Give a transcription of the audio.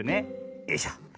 よいしょ。